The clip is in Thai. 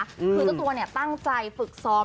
คือเจ้าตัวเนี่ยตั้งใจฝึกซ้อม